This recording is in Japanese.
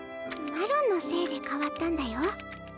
マロンのせいで変わったんだよ。